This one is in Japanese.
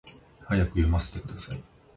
早く読ませてください